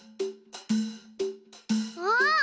あっ！